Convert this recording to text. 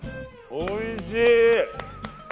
おいしい。